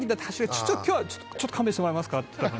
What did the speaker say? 「ちょっと今日はちょっと勘弁してもらえますか」って多分。